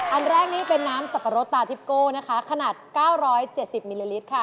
อันแรกนี้เป็นน้ำสับปะรดตาทิบโก้ขนาด๙๗๐มล